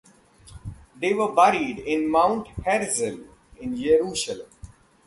They were buried in Mount Herzl in Jerusalem.